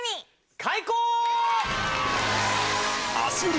開講！